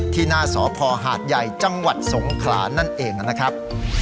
ที่หน้าสพหาดใหญ่จังหวัดสงขลานั่นเองนะครับ